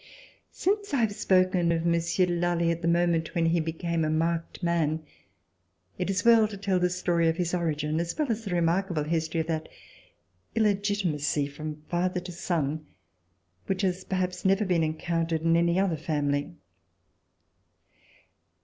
Since I have spoken of Monsieur de Lally at the moment that he became a marked man, it is well to tell the story of his origin, as well as the remarkable history of that illegitimacy from father to son which has perhaps never been encountered in any other family.